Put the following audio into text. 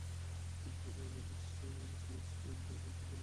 কিন্তু, অ্যানালিস্ট সেই রিসেটের সিদ্ধান্তে ভেটো দিয়েছে।